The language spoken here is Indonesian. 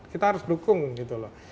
kita harus dukung gitu loh